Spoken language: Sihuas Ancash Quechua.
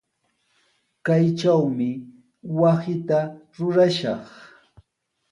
Kaytrawmi wasita rurashaq.